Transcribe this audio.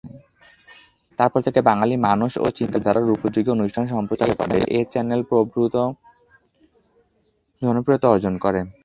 তারপর থেকে বাঙালি মানস ও চিন্তাধারার উপযোগী অনুষ্ঠান সম্প্রচার করে এই চ্যানেল প্রভূত জনপ্রিয়তা অর্জন করে।